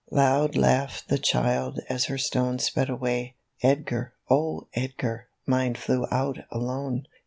" Loud laughed the child as her stone sped away; " Edgar ! oh, Edgar ! mine flew out alone